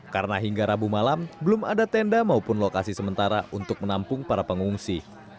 karena hingga rabu malam belum ada tenda maupun lokasi sementara untuk menampung para pengungsi